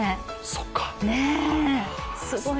そっか。